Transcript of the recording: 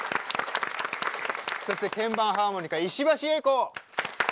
鍵盤ハーモニカ石橋英子。